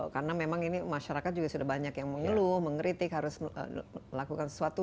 karena memang ini masyarakat juga sudah banyak yang mengeluh mengkritik harus melakukan sesuatu